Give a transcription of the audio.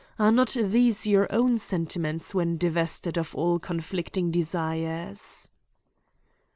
Are not these your own sentiments when divested of all conflicting desires?"